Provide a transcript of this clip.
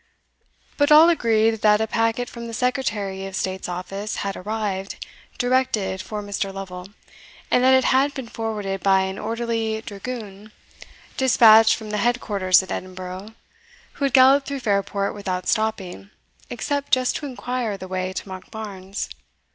But all agreed that a packet from the Secretary of State's office, had arrived, directed for Mr. Lovel, and that it had been forwarded by an orderly dragoon, despatched from the head quarters at Edinburgh, who had galloped through Fairport without stopping, except just to inquire the way to Monkbarns.